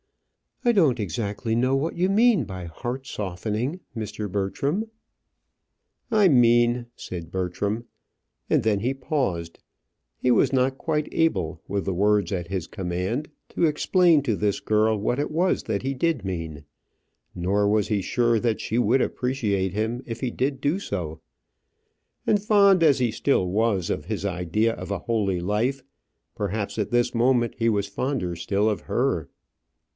"I don't exactly know what you mean by heart softening, Mr. Bertram." "I mean " said Bertram, and then he paused; he was not quite able, with the words at his command, to explain to this girl what it was that he did mean, nor was he sure that she would appreciate him if he did do so; and, fond as he still was of his idea of a holy life, perhaps at this moment he was fonder still of her.